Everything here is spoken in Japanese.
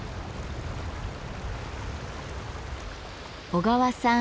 小川さん